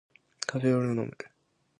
カフェオレを飲む